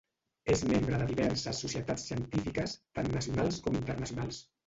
És membre de diverses societats científiques, tant nacionals com internacionals.